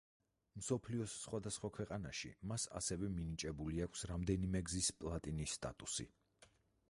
მსოფლიოს სხვადასხვა ქვეყანაში მას ასევე მინიჭებული აქვს რამდენიმე გზის პლატინის სტატუსი.